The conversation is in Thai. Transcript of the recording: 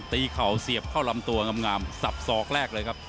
เข่าเสียบเข้าลำตัวงามสับสอกแรกเลยครับ